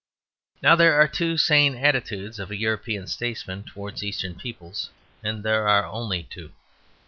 Now there are two sane attitudes of a European statesman towards Eastern peoples, and there are only two.